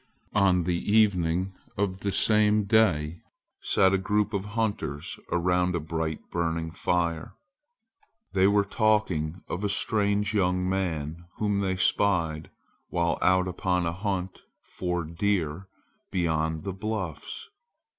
On the evening of the same day sat a group of hunters around a bright burning fire. They were talking of a strange young man whom they spied while out upon a hunt for deer beyond the bluffs.